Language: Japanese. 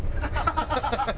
ハハハハ。